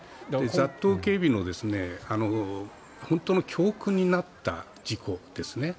雑踏警備の本当の教訓になった事故ですね。